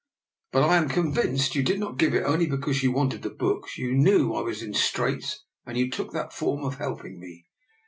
" But I am convinced you did not give it only because you wanted the books. You knew I was in straits and you took that form of helping me.